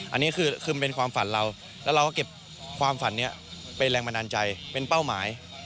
อันนี้คือมันเป็นความฝันเราแล้วเราก็เก็บความฝันนี้เป็นแรงบันดาลใจเป็นเป้าหมาย